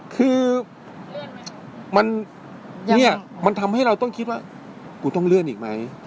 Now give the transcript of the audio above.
คือเนี่ยมันทำให้เราต้องคิดว่ากูต้องเลื่อนอีกไหม